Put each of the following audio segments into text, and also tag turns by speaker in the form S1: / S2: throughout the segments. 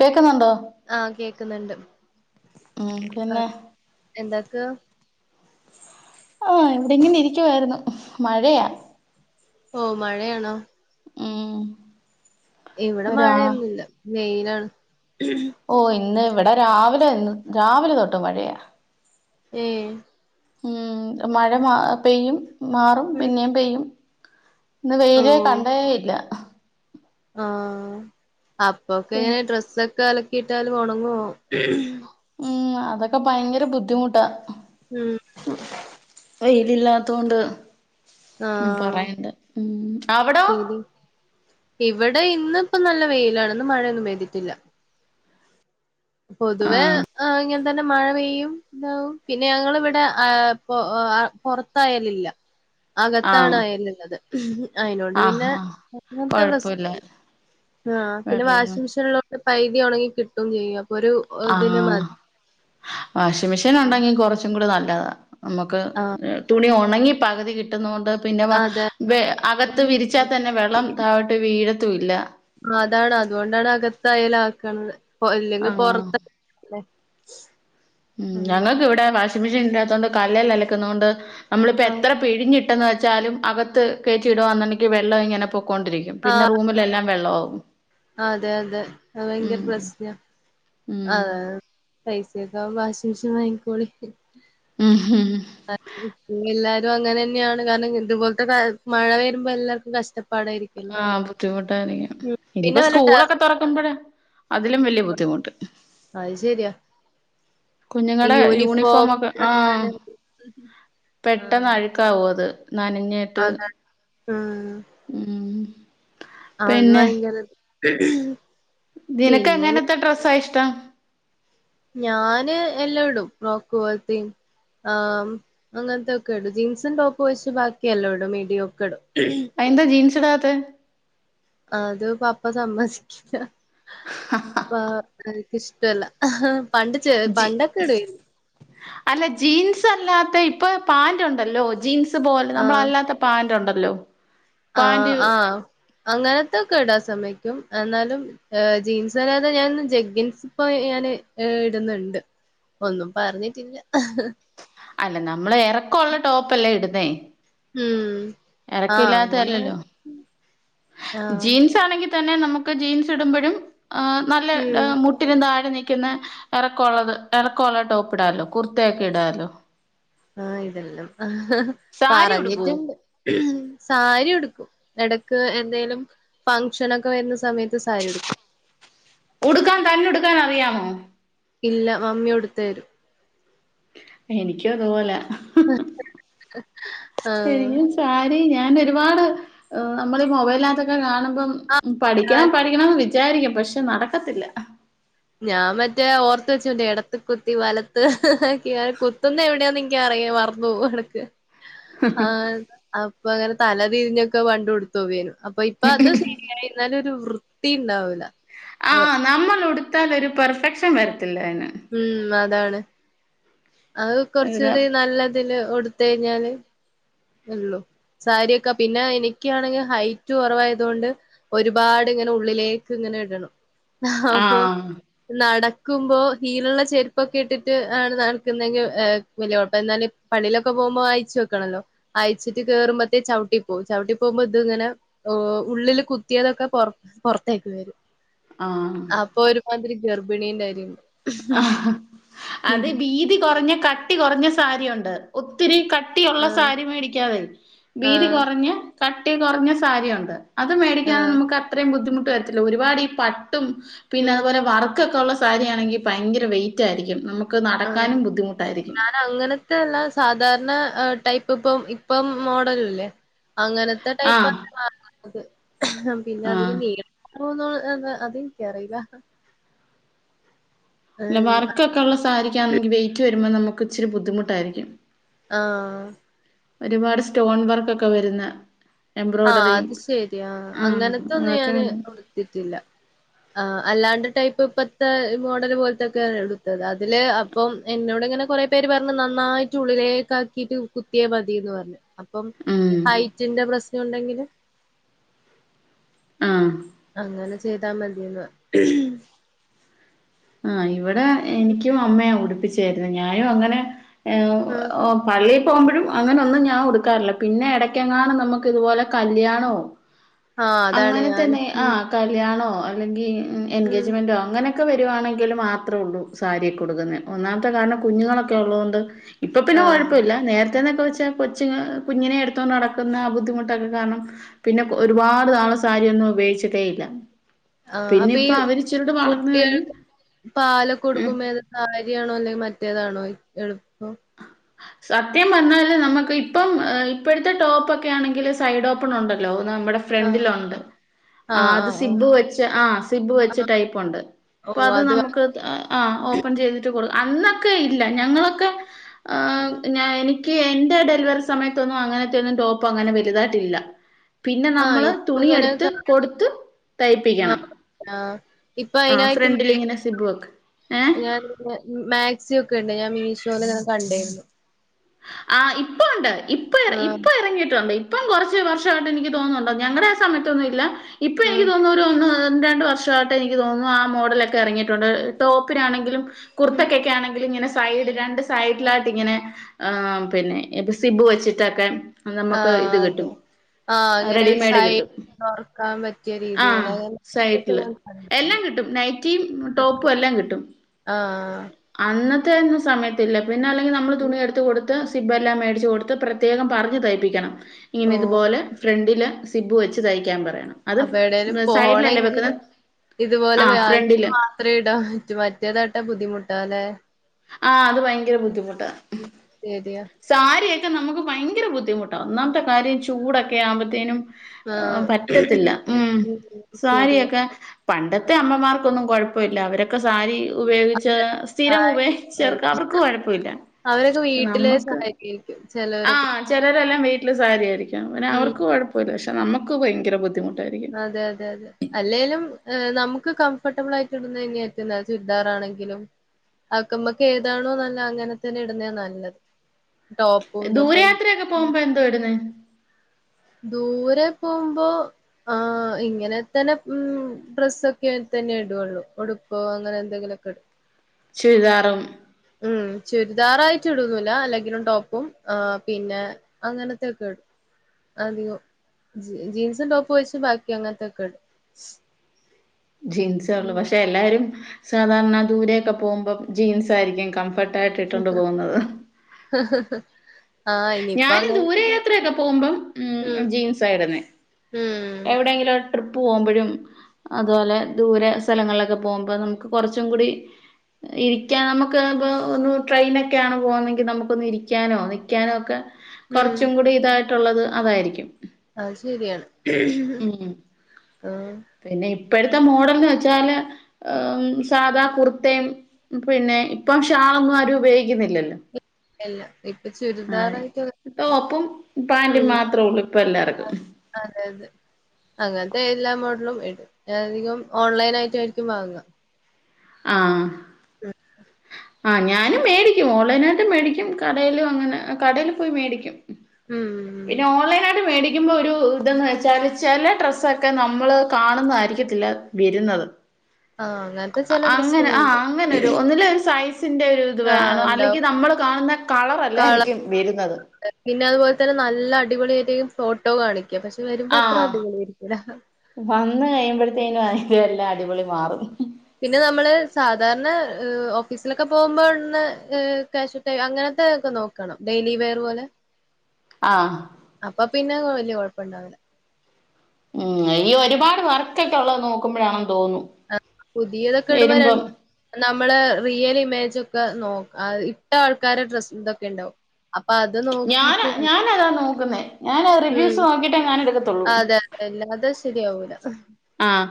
S1: കേക്കുന്നുണ്ടോ
S2: ആഹ് കേക്ക്ന്ന്ണ്ട്
S1: മം കുന്നേ
S2: എന്താക്ക
S1: ആഹ് എവിടെ എങ്ങനെ ഇരിക്കുവായിരുന്നു മഴയാ
S2: ഓഹ് മഴയാണോ
S1: ഉം
S2: ഇവിടെ
S1: രാ
S2: മഴയൊന്നുല്ല വെയിലാണ്
S1: ഓഹ് ഇന്ന് ഇവടെ രാവിലെന്ന് രാവിലെ തൊട്ട് മഴയാ
S2: ഏഹ്
S1: ഉം മഴ മാ പെയ്യും മാറും
S2: ഉം.
S1: പിന്നേം പെയ്യും ഇന്ന്
S2: ഓ
S1: വെയില് കണ്ടേ ഇല്ല
S2: ആഹ് അപ്പൊക്കെ
S1: പി
S2: ഡ്രസ്സൊക്കെ അലക്കിട്ടാല് ഒണങ്ങോ
S1: ഉം അതൊക്കെ ഭയങ്കര ബുദ്ധിമുട്ടാ
S2: ഉംമ്
S1: വെയിലില്ലാത്തോണ്ട് ഉമ്
S2: ആഹ്
S1: പറയണ്ട ഉമ് അവിടോ
S2: ശരി ഇവിടെ ഇന്ന് പ്പ നല്ല വെയിലാണ് ന്ന് മഴയൊന്നും പെയ്തിട്ടില്ല പൊതുവെ
S1: ആഹ്
S2: ഇങ്ങനെ തന്നെ മഴ പെയ്യും ഇതാവും പിന്നെ ഞങ്ങ ഇവിടെ ആ യ് പോ യ് പോറത്തായലില്ല അകത്താണ്
S1: ആഹ്
S2: അയല്ള്ളത് അയിനോണ്ട്
S1: ആഹ്
S2: പിന്നെ
S1: ആഹ്
S2: അങ്ങൻ ത്തെ പ്രശ്
S1: കൊഴപ്പല്ല
S2: ആഹ് പിന്നെ
S1: വെള്ളെല്ലാം
S2: വാഷിംഗ് മെഷീൻള്ളോണ്ട് പൈതി ഒണങ്ങി കിട്ടും ചെയ്യും അപ്പൊ ഒരു ഇതിന്
S1: ആഹ്
S2: മതി
S1: വാഷിംഗ മെഷീനുണ്ടെങ്കിൽ കൊറച്ചും കൂടി നല്ലതാ മ്മക്ക്
S2: ആഹ്
S1: തുണി ഒണങ്ങി പകുതി കിട്ടുന്നോണ്ട് പിന്നെ വ
S2: അതെ
S1: വെ അകത്ത് വിരിച്ചാ തന്നെ വെള്ളം തഴോട്ട് വീഴത്തുല്ല
S2: അതാണ് അതുകൊണ്ടാണ് അകത്ത യൽ ആക്കണത് പോ ഇല്ലെങ്കിൽ
S1: ആഹ്
S2: പൊറത്ത
S1: ഉംമ് ഞങ്ങൾക്ക് ഇവിടെ വാഷിംഗ് മെഷീൻ ഇല്ലാതോണ്ട് ണ്ട് കല്ലെല്ലാം അലക്കുന്നുകൊണ്ട് നമ്മളിപ്പോ
S2: ആഹ്
S1: എത്ര ഇപ്പോ പിഴഞ്ഞിട്ടെന്ന് വെച്ചാലും അകത്ത് കേറ്റി ഇടാന്നുണ്ടെങ്കിൽ വെള്ളം ഇങ്ങനെൊ പോക്കൊണ്ടിരിക്കും
S2: ആഹ് അതെ അതെ അത് ഭയങ്കര
S1: ഉം
S2: പ്രശ്ന
S1: ഉം
S2: അതെ പൈസയൊക്കെവുമ്പോ വാഷിംങ് മെഷീൻ വാങ്ങിക്കോളി
S1: ഉം
S2: [unintelligible] എല്ലാരും അങ്ങനെന്നെയാണ് കാരണം ഇതുപോലത്തെ കാ മഴ വരുമ്പോ എല്ലാവർക്കും കഷ്ട
S1: ആഹ് ബുദ്ധിമുട്ടായിരിക്കും
S2: ഉം പിന്നെ
S1: ഇനിയിപ്പ
S2: വല്ല ടെറസ്
S1: സ്കൂളൊക്കെ തോറക്കുമ്പോഴ അതിലും വെല്ല്യ ബുദ്ധിമുട്ട്
S2: ഐ ശരിയ
S1: കുഞ്ഞുങ്ങടെ യൂണിഫോമോക്കെ ആഹ് പെട്ടെന്ന് അഴക്ക് ക്കവും അത് നനഞ്ഞ്
S2: അത ഉംമ്
S1: ഉം
S2: ആഹ് അത്
S1: പിന്നെ
S2: ഭയങ്കര
S1: നിനക്ക്
S2: പിന്നെ ഇങ്ങ-
S1: എങ്ങനത്തെ ഡ്രസ്സാ ഇഷ്ടം
S2: ഞാന് എല്ലായിടും ഫ്രോക്ക് പോല്തീം ആഹ് അങ്ങൻത്തൊക്കെടും ജീൻസും ടോപ്പ് ഒയ്ച്ച് ബാക്കിയല്ലോ ഇടും മിഡിയോക്കെടും
S1: അയ്ന്താ ജീൻസിടാത്തെ
S2: അത് പപ്പ സമ്മതിക്കില്ല പ നക്ക് ഇഷ്ടമല്ല പണ്ട്
S1: ജി
S2: പണ്ടൊക്കെ ഇടെരുന്നു
S1: അല്ല ജീൻസ് അല്ലാത്ത ഇപ്പൊ പാന്റ് ഒണ്ടല്ലോ ജീൻസ് പോലെ
S2: ആഹ്
S1: നമ്മളല്ലാത്ത പാന്റൊണ്ടല്ലോ
S2: ആഹ് ആഹ് അങ്ങനത്തൊക്കെ ഇടാൻ സമയ്ക്കും എന്നാലും ജീൻസ് അല്ലാതെ ഞാൻ ജഗ്ഗിൻസ് ഇപ്പോ ഞാന് ഇടുന്നുണ്ട് ഒന്നും പറഞ്ഞിട്ടില്ല
S1: അല്ല നമ്മള് എറക്കം ഒള്ള ടോപ്പ് അല്ലേ ഇടുന്നേ
S2: ഉം
S1: എറക്കം
S2: ആഹ്
S1: ഇല്ലാത്തത്
S2: അങ്ങനെ
S1: അല്ലല്ലോ
S2: ആഹ്
S1: ജീൻസ് ആണെങ്കി തന്നെ നമുക്ക് ജീൻസ് ഇടുമ്പോഴും ആഹ് നല്ല
S2: ഉം
S1: മു പിന്നെ താഴെ നിക്കുന്ന എറക്കൊള്ളത് എറക്കൊള്ള ടോപ്പ് ഇടാല്ലോ കുർത്തയൊക്കെ ഇടാല്ലോ
S2: ആഹ് ഇതെല്ലാം ആഹ്
S1: സാരി ഉടുക്കോ
S2: പറഞ്ഞിട്ടുണ്ട് സാരി ഉടുക്കും എടക്ക് എന്തേലും ഫംഗ്ഷനൊക്കെ വരുന്ന സമയത്ത് സാരി ഉടുക്കും
S1: ഉടുക്കാൻ തന്നെ ഉടുക്കാൻ അറിയാമോ
S2: ഇല്ല മമ്മി ഉടുത്ത് തരും
S1: എനിക്കും അതുപോല
S2: ആഹ്
S1: കാര്യം ഞാൻ ഒരുപാട് ഓഹ് നമ്മള് ഈ മൊബേലാത്തൊക്കെ കാണുമ്പം ഉം
S2: ആഹ്
S1: പഠിക്കണം പഠിക്കണം എന്ന് വിചാരിക്കും പക്ഷെ നടക്കത്തില്ല
S2: ഞാൻ മറ്റേ ഓർത്ത് വെച്ചോന്റെ എടത്ത് കുത്തി വലത്ത് കുത്തുന്ന എവിടെയാ എനിക്ക് അറിയും മറന്നു പോകും എടക്ക് ആ അപ്പ അങ്ങനെ തല തിരിഞ്ഞ് ഒക്കെ പണ്ട് ഉടുത്തു പോവാരുന്ന് അപ്പ ഇപ്പ അത് ശീ ല്ലായി ഇരുന്നാലും ഒരു വൃത്തി ഇണ്ടാവൂല
S1: ആഹ് നമ്മൾ ഉടുത്താൽ ഒരു പെർഫെക്ഷൻ വര്ത്തില്ല അയിന്
S2: ഉം അതാണ് അത് കൊറച്ച്
S1: അതിന്
S2: കൂടി നല്ലതില് ഉടുത്തഴിഞ്ഞാല് ഇള്ളു സാരിയൊക്കെ പിന്നെ എനിക്ക് ആണെങ്കി ഹൈറ്റ് കൊറവായത് കൊണ്ട് ഒരുപാട് ഇങ്ങനെ ഉള്ളിലേക്ക് ഇങ്ങനെ ഇടണം അപ്പൊ
S1: ആഹ്
S2: നടക്കുമ്പോ ഹീലുള്ള ചെരുപ്പ് ഒക്കെ ഇട്ടിട്ട് ആണ് നടക്കുന്നെങ്കിൽ വല്യ കൊഴപ്പം എന്നാലും പള്ളീലൊക്കെ പോമ്പോ അയിച്ച് വെക്കണല്ലോ അയച്ചിട്ട് കേറുമ്പത്തേക്ക് ചവിട്ടി പോം ചവിട്ടി പോമ്പോ ഇത് ഇങ്ങനെ ഓഹ് ഉള്ളില് കുത്തിയതൊക്കെ പൊറ പൊറത്തേക്ക് വരും
S1: ആഹ്
S2: അപ്പൊ ഒരുമാതിരി ഗർഭിണിന്റെ ഒരു
S1: ആ അത് വീതി കൊറഞ്ഞ കട്ടി കൊറഞ്ഞ സാരി ഒണ്ട് ഒത്തിരി കട്ടി ഒള്ള
S2: ആഹ്
S1: സാരി മേടിക്കാതെ വീതി
S2: ആഹ്
S1: കൊറഞ്ഞ കട്ടി കൊറഞ്ഞ സാരിയ ഒണ്ട് അത് മേടിക്കാൻ
S2: ആഹ്
S1: നമുക്ക് അത്രയും ബുദ്ധിമുട്ട് വര്ത്തില്ല ഒരുപാട് ഈ പട്ടും പിന്നെ
S2: ഉം
S1: അതുപോലെ വർക്ക് ഒക്കെ ഒള്ള സാരിയാണെങ്കി ഭയങ്കര വെയിറ്റ് ആയിരിക്കും നമുക്ക്
S2: ആഹ്
S1: നടക്കാനും ബുദ്ധിമുട്ട് ആയിരിക്കും
S2: ഞാൻ അങ്ങനത്തെ അല്ല സാധാരണ ടൈപ്പ് ഇപ്പം ഇപ്പം മോഡല് ഇല്ലേ അങ്ങനത്തെ
S1: ആ
S2: ടൈപ്പ് മാറണത് പിന്നെ
S1: ആ
S2: അതിന് നീലം പൊന്നോ അത് എനിക്ക് അറിയില്ല
S1: ല്ല
S2: ആഹ്
S1: വർക്ക് ഒക്കെ ഒള്ള സാരിക്കാന്നെങ്കിൽ വെയിറ്റ് വരുമ്പോ നമുക്ക് ഇച്ചിരി ബുദ്ധിമുട്ട് ആയിരിക്കും
S2: ആഹ്
S1: ഒരുപാട് സ്റ്റോൺ വർക്ക് ഒക്കെ വരുന്നേ
S2: ആഹ് അത് ശരി ആ അങ്ങനത്തെ ഒന്നും
S1: അതൊക്കെ
S2: ഞാന്
S1: വരുന്ന
S2: ഉടുത്തിട്ടില്ല ആഹ് അല്ലാണ്ട് ടൈപ്പ് ഇപ്പത്തെ മോഡല് പോലത്തെ ഒക്കെ എടുത്തത് അതില് ആ അപ്പൊം എന്നോട് ഇങ്ങനെ കൊറെ പേര് പറഞ്ഞ് നന്നായിട്ട് ഉള്ളിലേക്ക് ആക്കിട്ട് കുത്തിയാ മതീന്ന് പറഞ്ഞു പ്പം
S1: ഉം
S2: ഹൈറ്റിന്റെ പ്രശ്നം ഒണ്ടെങ്കില്
S1: ആഹ്
S2: അങ്ങനെ ചെയ്താ മതിയന്ന്
S1: ആ ഇവിടെ എനിക്കും അമ്മയ ഉടിപ്പിച്ചെരുന്നേ ഞാനും അങ്ങനെ ഏ
S2: ഉം
S1: ഓ പള്ളിൽ പോകുമ്പഴും അങ്ങനെ ഒന്നും ഞാൻ ഉടുക്കാറില്ല പിന്നെ ഇടയ്ക്ക് എങ്ങാനും നമുക്ക് ഇതുപോലെ കല്യാണോ
S2: ആ അതാണ് ഞാന്
S1: അങ്ങനത്തെന്നെ
S2: ഉം
S1: ആഹ് കല്യാണോ അല്ലെങ്കി
S2: ഉം
S1: എൻഗേജ്മെൻ്റോ അങ്ങനെ ഒക്കെ വരുവാണെങ്കി ങ്കില് മാത്ര ഒള്ളൂ സാരിയക്കെ ഉടുക്കുന്നേ ഒന്നാമത്തെ കാരണം കുഞ്ഞുങ്ങള് ഒക്കെ ഒള്ളത് കൊണ്ട് ഇപ്പ പിന്നെ
S2: ആഹ്
S1: കൊഴപ്പം ഇല്ല നേരത്തെന്ന് ഒക്കെ വെച്ചാൽ കൊച്ചിനെ കുഞ്ഞിനെ എടുത്തോണ്ട് നടക്കുന്ന ബുദ്ധിമുട്ടൊക്കെ കാരണം പിന്നെ ഒരുപാട് നാള് സാരിയ ഒന്നും ഉപയോഗിച്ചിട്ടേയില്ല
S2: ആ അപ്പ ഈ
S1: കഴിഞ്ഞ്
S2: കുട്ടികൾക്ക് പാലൊക്കെ
S1: ഏ
S2: കൊടുക്കുമ്പോ ഏത സാരിയാണോ അല്ലെങ്കിൽ മറ്റേതാണോ എളുപ്പം
S1: സത്യം പറഞ്ഞാല് നമുക്ക് ഇപ്പം ഇപ്പോഴത്തെ ടോപ്പൊക്കെ ആണെങ്കിൽ സൈഡ് ഓപ്പൺ ഉണ്ടല്ലോ നമ്മുടെ
S2: ആഹ്
S1: ഫ്രണ്ടിലുണ്ട് ആ
S2: ആഹ്
S1: അത്
S2: ആഹ് ആഹ്
S1: സിബ് വെച്ച ആ സിബ് വെച്ച ടൈപ്പൊണ്ട് അപ്പൊ അത് നമുക്ക് ആ ഓപ്പൺ ചെയ്തിട്ട് കൊടു അന്നൊക്കെ ഇല്ല ഞങ്ങളൊക്കെ ഓ
S2: ഉം
S1: ഞ നി ക്ക് എന്റെ ഡെലിവറി സമയത്തൊന്നും അങ്ങനത്തെയ ഒന്നും ടോപ്പ് അങ്ങനെ വലുതായിട്ടില്ല പിന്നെ
S2: ആഹ്
S1: നമ്മള്
S2: ഇപ്പൊ
S1: തുണി
S2: ഇങ്ങനെ
S1: എട്ത്ത്
S2: കാ
S1: കൊടുത്ത് തയ്പ്പിക്കണം
S2: ആഹ് ആഹ് ഇപ്പൊ
S1: ആ
S2: അയിനായിട്ട്
S1: ഫ്രണ്ടിലിങ്ങനെ സിബുവക്ക് ഏ
S2: മെ മേക്സി ഒക്കെ ഉണ്ട് ഞാൻ മീഷോന്ന് ഞാൻ കണ്ടേര്ന്നു
S1: ആ ഇപ്പ ഉണ്ട് ഇപ്പൊ
S2: ആഹ്
S1: ഇപ്പൊ ഇറങ്ങിയിട്ടുണ്ട് ഇപ്പം കുറച്ച് വർഷമായിട്ട് എനിക്ക് തോന്നുന്നുണ്ടോ ഞങ്ങളുടെ ആ സമയത്തൊന്നും ഇല്ല ഇപ്പൊ എനിക്ക്
S2: ആഹ്
S1: തോന്നുന്ന ഒരു ഒ ഒന്ന് രണ്ട് വർഷായിട്ട് എനിക്ക് തോന്നുന്നു ആ മോഡലൊക്കെ ഇറങ്ങയിട്ടുണ്ട് ടോപ്പിനാണെങ്കിലും
S2: ഉം
S1: കുർത്തക്കെ ക്ക് ആണെങ്കിലും ഇങ്ങനെ സൈഡ് രണ്ട് സൈഡിലായിട്ട് ഇങ്ങനെ ആ പിന്നെ ഇപ്പൊ സിബ് വെച്ചിട്ടൊക്കെ നമുക്ക്
S2: ആഹ്
S1: ഇത് കിട്ടും
S2: അതെ ആഹ്
S1: അ
S2: അങ്ങനെ ഒരു
S1: റെഡിമെയ്ഡ്
S2: സൈഡ്
S1: കിട്ടും
S2: തുറക്കാൻ പറ്റിയ
S1: ആ
S2: രീതികള് അതൊക്കെ
S1: സൈഡില്
S2: ഞാൻ
S1: എല്ലാം
S2: കണ്ടിരുന്നു
S1: കിട്ടും നൈറ്റിയും
S2: ഉം
S1: ടോപ്പും എല്ലാം കിട്ടും
S2: ആഹ്
S1: അന്നത്തെയന്നും സമയത്തില്ല പിന്നെ അല്ലെങ്കി നമ്മള് തുണിയ എടു കൊടുത്ത് സിബെല്ലാം മേടിച്ച് കൊടുത്ത് പ്രത്യേകം പറഞ് തയ്പ്പിക്കണം
S2: ഓ
S1: ഇങ്ങനെ ഇതുപോലെ ഫ്രണ്ടില് സിബു വെച്ച് തയ്ക്കാൻ പറയണം അത്
S2: അപ്പ എവിടെലും
S1: സൈഡിലല്ലേ വെക്കുന്നെ?
S2: പോണങ്കില് ഇതുപോലെ
S1: ആ ഫ്രണ്ടില്.
S2: വാങ്ങ എത്ര ഇടാ റ്റു മറ്റേതാട്ടാ ബുദ്ധിമുട്ടാ ലേ
S1: ആ അത് ഭയങ്കര ബുദ്ധിമുട്ടാ
S2: സരിയ
S1: സാരിയൊക്കെ നമുക്ക് ഭയങ്കര ബുദ്ധിമുട്ടാ ഒന്നാമത്തെ കാര്യം ചൂടൊക്കെ ആവ്മ്പഴത്തേനും ആ
S2: ആഹ്
S1: പറ്റത്തില്ല ഉം
S2: ശരിയാ
S1: സാരിയൊക്കെ പണ്ടത്തെ അമ്മമാർക്കൊന്നും കുഴപ്പമില്ല അവരെ ക്കെ സാരി ഉപയോഗിച്ച സ്ഥിരം ഉപയോഗിച്ചർക്ക് അവർക്ക് കുഴപ്പമില്ല
S2: അവരൊക്കെ
S1: പക്ഷെ
S2: വീട്ടിലെ
S1: നമ്മ
S2: സഹായിക്കും ചെലവരൊക്കെ
S1: ആ് ചിലരെല്ലാം വീട്ടിൽ സാരിയായിരിക്കും പിന്നെ
S2: ഉം
S1: അവർക്ക് കുഴപ്പമില്ല പക്ഷെ നമുക്ക് ഭയങ്കര ബുദ്ധിമുട്ട്
S2: അതെ അതെ അതെ അല്ലേലും നമുക്ക് കംഫോർട്ടബിൾ ആയിട്ട് ഇടുന്ന തന്നെയ പറ്റുന്ന ചുരിദാറാണെങ്കിലും അക്കമ്പക്ക ഏതാണോ നല്ല അങ്ങനെ തന്നെ ഇടുന്ന നല്ലത് ടോപ്പും
S1: ദൂരയാത്രയൊക്കെ
S2: ഇതൊക്കെ
S1: പോകുമ്പോ എന്തുവാ ഇടുന്ന
S2: ദൂരെ പോമ്പോ ആ ഇങ്ങനെ തന്നെ ഉം ഡ്രസ്സൊക്കെ തന്നെ ഇടുള്ളൂ. ഉടുപ്പോ അങ്ങനെ എന്തെങ്കിലൊക്കെ ഇ
S1: ചുരിദാറും
S2: ഉം ചുരിദാറായിട്ട് ഇടുന്നുല്ല അല്ലെങ്കിലും ടോപ്പും ആ പിന്നെ അങ്ങനത്തെക്കെടും അധികം ജീൻസും ടോപ്പും വെച്ച് ബാക്കി അങ്ങൻത്തൊക്കെടും.
S1: ജീൻസേള്ളൂ. പക്ഷെ എല്ലാരും സാധാരണ ദൂരെയൊക്കെ പോകുമ്പം ജീൻസ് ആയിരിക്കും കംഫ ട്ടായിട്ട് ഇട്ടോണ്ട് പോകുന്നത്.
S2: ഉ
S1: ഞാന് ദൂരയാത്രയൊക്കെ പോമ്പം ഉം ജീൻസായിടുന്നെ
S2: ഉം
S1: എവിടെയെങ്കിലും ട്രിപ്പ് പോകുമ്പഴും അതുപോലെ ദൂരെ സ്ഥലങ്ങളിലൊക്കെ പോകുമ്പോ നമുക്ക് കൊർച്ചും കൂടി ഇരിക്കാൻ നമുക്ക് ഇപ്പോ ഒന്ന് ട്രെയിനൊക്കെയാണ് പോകുന്നതെങ്കി നമുക്കൊന്ന് ഇരിക്കാനോ നി ക്കാനും ഒക്കെ
S2: ഉം
S1: കൊർച്ചും കൂടി ഇതായിട്ടുള്ളത് അതായിരിക്കും.
S2: അത് ശെരിയാണ്
S1: ഉം
S2: ആഹ്
S1: പിന്നെ ഇപ്പഴ്ത്തെ മോഡൽന്ന് വെച്ചാല് ആഹ് സാധാ കുർത്തേം പിന്നെ ഇപ്പം ഷാളൊന്നും ആരും ഉപയോഗിക്കുന്നില്ലല്ലോ.
S2: എല്ല ഇപ്പ
S1: ആ
S2: ചുരിദാറായിട്ട്
S1: ടോപ്പും പാന്റും
S2: ഉം
S1: മാത്രേ ഉള്ളൂ ഇപ്പൊ എല്ലാർക്കും
S2: ആഹ് അതെ അതെ അങ്ങെൻത്തെ എല്ലാ മോഡലും ഇടും. പിന്നെധികം ഓൺലൈനായിട്ടാരിക്കും വാങ്ങ.
S1: ആഹ് ആഹ് ഞാനും മേടിക്കും. ഓൺലൈനായിട്ടും മേടിക്കും. കടേലു അങ്ങനെ കടേല് പോയി മേടിക്കും.
S2: ഉം
S1: പിന്നെ ഓൺലൈനായിട്ട് മേടിക്കുമ്പോ ഒരു ഇതെന്ന് വെച്ചാല് ചെല ഡ്രസ്സൊക്കെ നമ്മള് കാണുന്നതായിരിക്കത്തില്ല വെരുന്നത്.
S2: ആഹ് അങ്ങൻത്തെ ചെ
S1: അങ്ങനെ ആഹ് അങ്ങനെ ഒരു ഒന്നിലേ ഒരു സൈസിൻന്റെരു ഇതുവേ
S2: ആഹ്
S1: അല്ലെങ്കി
S2: ഉണ്ടാവും
S1: നമ്മള് കാണുന്ന
S2: കള
S1: കളറല്ലായിരിക്കും വെരുന്നത്.
S2: പിന്നെ അതുപോലെ തന്നെ നല്ല അടിപൊളിയാട്ടാരിക്കും ഫോട്ടോ കാണിക്ക പക്ഷെ
S1: ആ
S2: വെരുമ്പത്ര അടിപൊളിയാരിക്കൂല.
S1: വന്ന് കഴിയുമ്പഴ്ത്തേനും എല്ലാം അടിപൊളി മാറും.
S2: പിന്നെ നമ്മള് സാധാരണ ഓഫീസിലക്കെ പോകുമ്പോട്ന്ന കാഷ്യുൽ അങ്ങനത്തെ ഒക്കെ നോ ക്കണം. ഡെയിലി വേർ പോലെ
S1: ആഹ്
S2: അപ്പ പിന്നെ വല്യ കൊഴപ്പണ്ടാവില്ല.
S1: ഉം ഈ ഒരുപാട് വർക്കെക്കൊള്ളത് നോക്കുമ്പഴാണെന്ന് തോന്നു
S2: പുതിയതക്കെടുമ്പോ ര നമ്മള് റിയല് ഇമേജൊക്ക നോ ആ ഇട്ട ആൾക്കാരെ ഡ്രസ്സ്തൊക്കെണ്ടാവും. അപ്പ അത്
S1: ഞാൻ
S2: നോക്കിട്ട്
S1: ഞാനതാ നോക്കുന്നേ ഞാൻ
S2: ഉം
S1: റിവ്യൂസ് നോക്കിട്ടേ ഞാൻ എടുക്കത്തുള്ളൂ
S2: അതെ. വല്ലാതെ ശെരിയാവൂല.
S1: ആഹ്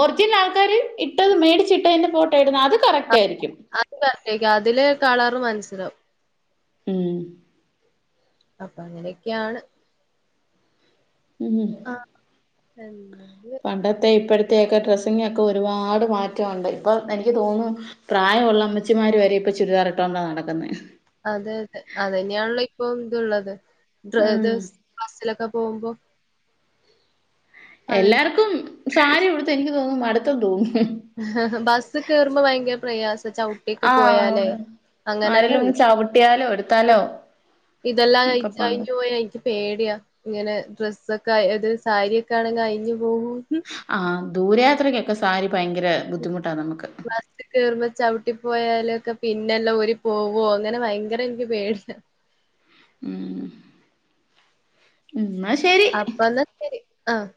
S1: ഒറിജിനൽ ആൾക്കാര് ഇട്ടത് മേടിച്ചിട്ടെന്റെ ഫോട്ടോ ഇടുന്ന അത് കറക് റ്റായിരിക്കും.
S2: അത് കറക്റ്റാരിക്കും. അതില് കളറ് മൻസ്സിലാവും.
S1: ഉം
S2: അപ്പങ്ങനെക്കെയാണ്.
S1: ഉം
S2: ആഹ് എല്ലത്
S1: പണ്ടത്തെ ഇപ്പഴത്തെക്കെ ഡ്രസ്സിങ്ങക്കെ ഒരുപാട് മാറ്റോണ്ട് ഇപ്പ എനിക്ക് തോന്നു പ്രായമുള്ള അമ്മച്ചിമാര് വരെ ഇപ്പ ചുരിദാറിട്ടൊണ്ടാ നടക്കുന്നെ.
S2: അതെ അതെ അതന്നെയാണല്ലോ ഇപ്പൊ ഇതൊള്ളത് ഡ്രെ
S1: ഉം
S2: ത് ബസ്സിലൊക്കെ പോവുമ്പോ
S1: എല്ലാർക്കും സാരി ഉടുത്ത് എനിക്ക് തോന്നുന്നു മടുത്തെന്ന് തോന്നു.
S2: ബസി കേറുമ്പ ഭയങ്കര പ്രയാസ ചൗ ട്ടി ഒക്കെ
S1: ആഹ്
S2: പോയാലേ
S1: അതെ
S2: അങ്ങനന്നെ
S1: ആരെലും ഒന്ന്
S2: വീഴും
S1: ചവിട്ടിയാലോ
S2: ഉം
S1: എടുത്താലോ
S2: ഇതെല്ലാം അഴി
S1: ഒക്കെ പാട്
S2: അഴിഞ്ഞു പോയാരിക്കും. പേടിയ ഇങ്ങനെ ഡ്രസ്സക്കെ അത് സാരിയക്കാണെങ്കി അഴിഞ്ഞു പോവോ
S1: ആഹ് ദൂരയാത്രക്കൊക്കെ സാരി ഭയങ്കര ബുദ്ധിമുട്ടാ നമുക്ക്.
S2: ബസി കേറുമ്പ ചവിട്ടി പോയാലക്കെ പിന്നെല്ലാം ഊരി പോവോ അങ്ങനെ ഭയങ്കര എനിക്ക് പേടിയ.
S1: ഊം ഉം ന്നാ ശെരി.
S2: അപ്പന്നാ ശെരി ആഹ്